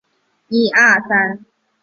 由进士擢第。